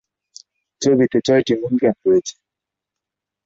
ছবিতে ছয়টি মূল গান রয়েছে।